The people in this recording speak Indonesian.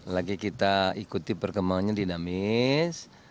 lagi kita ikuti perkembangannya dinamis